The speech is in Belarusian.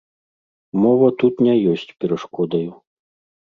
Мова тут не ёсць перашкодаю.